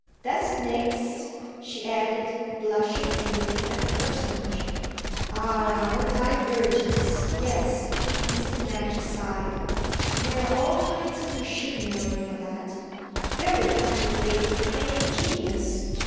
"That's Nick's," she added, blushing and looking at this personage. "Ah our divergence yes!" Mr. Nash sighed. "There are all kinds of machinery for that very complicated and ingenious.